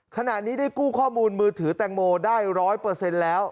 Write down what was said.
ขณะนี้ได้กู้ข้อมูลมือถือแตงโมได้๑๐๐แล้ว